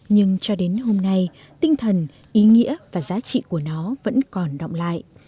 nhưng cho đến hôm nay tinh thần ý nghĩa và giá trị của nó vẫn còn động lại